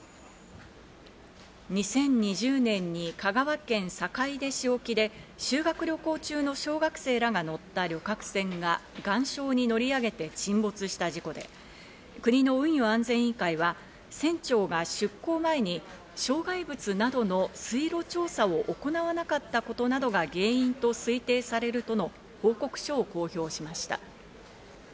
２０２０年に香川県坂出市沖で修学旅行中の小学生らが乗った旅客船が岩礁に乗り上げて沈没した事故で、国の運輸安全委員会は船長が出航前に障害物などの水路調査を行わなかったことなどが原因と推定されるとの報告書を公表しました。